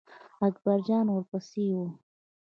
اکبر جان ور پسې و.